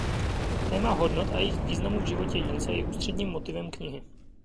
Téma hodnot a jejich významu v životě jedince je ústředním motivem knihy.